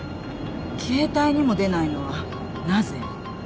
携帯にも出ないのはなぜ？